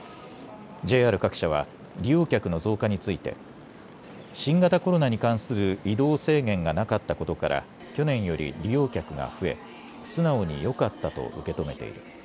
ＪＲ各社は、利用客の増加について、新型コロナに関する移動制限がなかったことから、去年より利用客が増え、素直によかったと受け止めている。